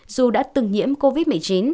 dù đã từng nhiễm covid một mươi chín